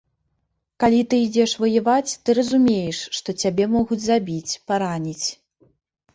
Калі ты ідзеш ваяваць, ты разумееш, што цябе могуць забіць, параніць.